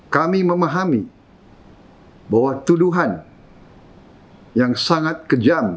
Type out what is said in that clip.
kami memahami bahwa tuduhan yang sangat kejam